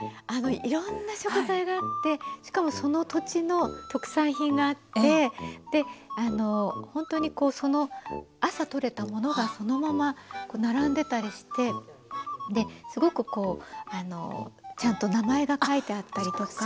いろんな食材があってしかもその土地の特産品があってほんとにその朝取れたものがそのまま並んでたりしてすごくこうちゃんと名前が書いてあったりとか。